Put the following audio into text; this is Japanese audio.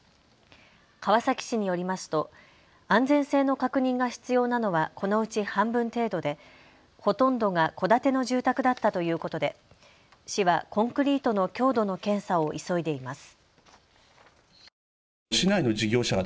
川崎市によりますと安全性の確認が必要なのはこのうち半分程度で、ほとんどが戸建ての住宅だったということで市はコンクリートの強度の検査を急いでいます。